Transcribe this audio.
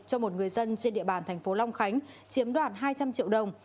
cho một người dân trên địa bàn thành phố long khánh chiếm đoạt hai trăm linh triệu đồng